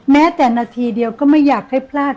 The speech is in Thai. แม้แต่นาทีเดียวก็ไม่อยากให้พลาด